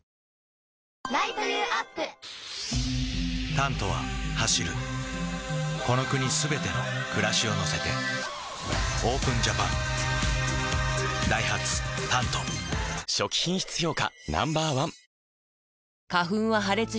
「タント」は走るこの国すべての暮らしを乗せてＯＰＥＮＪＡＰＡＮダイハツ「タント」初期品質評価